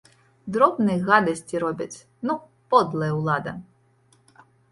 Дробныя гадасці робяць, ну, подлая ўлада!